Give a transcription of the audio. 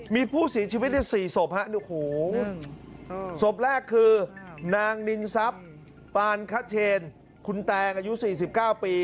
มีผู้เสียชีวิตใน๔ศพฮะโอ้โหศพแรกคือนางนินทรัพย์ปานคเชนคุณแตงอายุ๔๙ปี